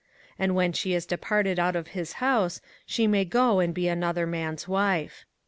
05:024:002 And when she is departed out of his house, she may go and be another man's wife.